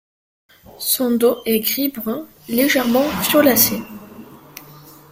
Son dos est gris brun légèrement violacé.